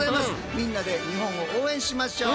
みんなで日本を応援しましょう。